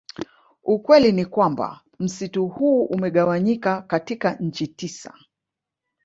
Ukweli ni kwamba msitu huu umegawanyika katika nchi tisa